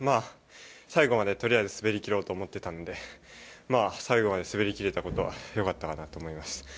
最後まで、とりあえず滑り切ろうと思っていたので最後まで滑り切れたことはよかったかなと思います。